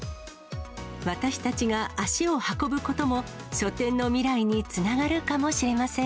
私たちが足を運ぶことも、書店の未来につながるかもしれません。